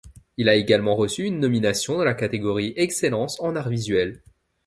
Il a également reçu une nomination dans la catégorie Excellence en Arts visuels.